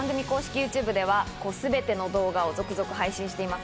ＹｏｕＴｕｂｅではすべての動画を続々配信しています。